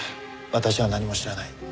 私は何も知らない。